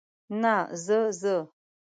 نه، زه، زه.